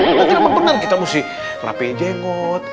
itu tidak benar benar kita mesti rapiin jenggot